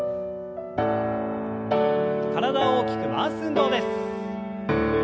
体を大きく回す運動です。